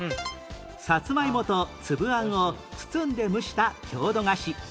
さつまいもとつぶあんを包んで蒸した郷土菓子